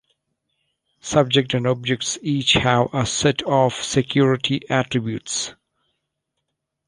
Subjects and objects each have a set of security attributes.